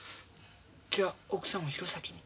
じゃ奥さんも弘前に？